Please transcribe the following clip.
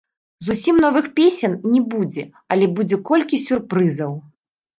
Зусім новых песень не будзе, але будзе колькі сюрпрызаў.